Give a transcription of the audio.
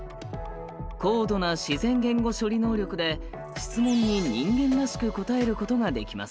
高度な自然言語処理能力で質問に人間らしく答えることができます。